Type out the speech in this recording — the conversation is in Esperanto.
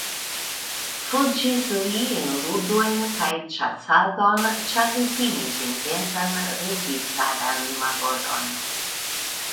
Fuĝis li en ludojn kaj ĉasadon ĉar li timis intensan registaran laboron.